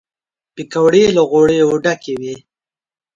پکورې له غوړیو ډکې وي